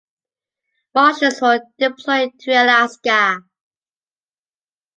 Marshals were deployed to Alaska.